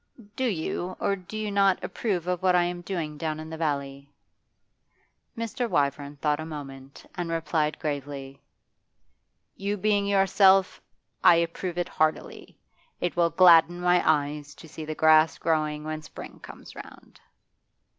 'Do you, or do you not, approve of what I am doing down in the valley?' Mr. Wyvern thought a moment, and replied gravely: 'You being yourself, I approve it heartily. It will gladden my eyes to see the grass growing when spring comes round.